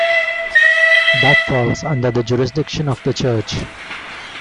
That falls under the jurisdiction of the church.